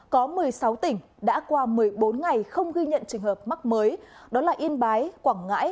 có một mươi sáu tỉnh đã qua một mươi bốn ngày không ghi nhận trường hợp mắc mới đó là yên bái quảng ngãi